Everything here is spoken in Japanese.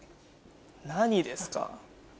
何ですか？